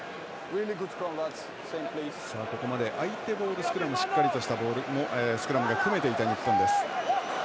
ここまで相手ボールスクラムしっかりとしたスクラムが組めていた日本です。